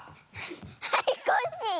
はいコッシー。